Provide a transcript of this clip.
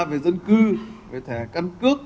về dân cư về thẻ căn cước